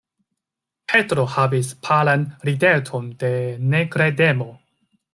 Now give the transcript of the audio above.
Petro havis palan rideton de nekredemo.